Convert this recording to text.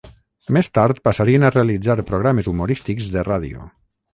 Més tard passarien a realitzar programes humorístics de ràdio.